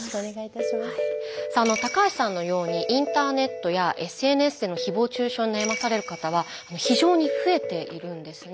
さあ橋さんのようにインターネットやＳＮＳでのひぼう中傷に悩まされる方は非常に増えているんですね。